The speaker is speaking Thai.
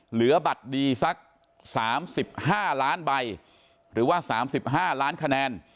เหลือบัตรดีสัก๓๕ล้านใบหรือว่า๓๕ล้านคะแนน